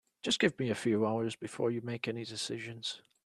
Just give me a few hours before you make any decisions.